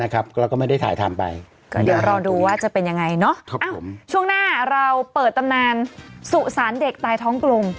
ก็เดี๋ยวเราดูว่าจะเป็นยังไงเนอะช่วงหน้าเราเปิดตำนานสุสันเด็กตายท้องกลง